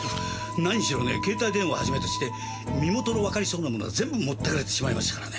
何しろね携帯電話を始めとして身元のわかりそうなものは全部持ってかれてしまいましたからね。